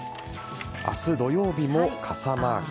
明日土曜日も傘マーク。